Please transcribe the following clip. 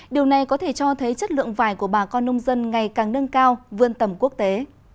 điều này có thể cho thấy chất lượng vải của bà con nông dân ngày càng nâng cao vươn tầm quốc tế